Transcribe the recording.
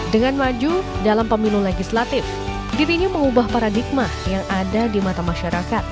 dengan maju dalam pemilu legislatif dirinya mengubah paradigma yang ada di mata masyarakat